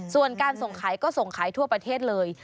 ส่วนการส่งขายก็ส่งขายทั่วประเทศเลย